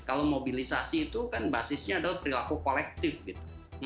kalau mobilisasi itu kan basisnya adalah perilaku kolektif gitu